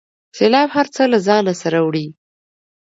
سیلاب هر څه له ځانه سره وړي.